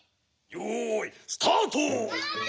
よいスタート！